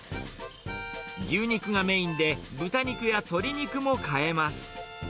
牛肉がメインで、豚肉や鶏肉も買えます。